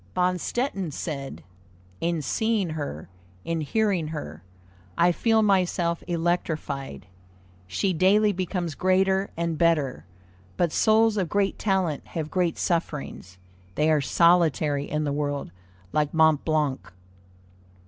Bonstetten said: "In seeing her, in hearing her, I feel myself electrified.... She daily becomes greater and better; but souls of great talent have great sufferings: they are solitary in the world, like Mont Blanc."